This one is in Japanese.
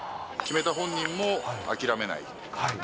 決めた本人も諦めない。